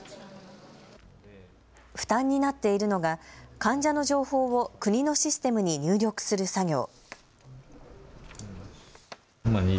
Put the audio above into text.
負担になっているのが患者の情報を国のシステムに入力する作業。